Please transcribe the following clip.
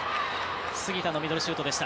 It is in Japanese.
杉田のミドルシュートでした。